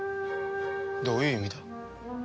どういう意味だ？